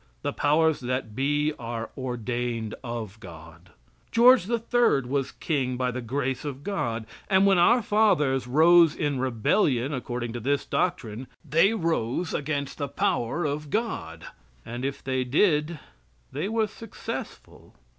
The powers that be are ordained of God." George III was king by the grace of God, and when our fathers rose in rebellion, according to this doctrine, they rose against the power of God; and if they did they were successful.